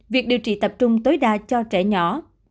việc điều trị tập trung tối đa cho trẻ nhỏ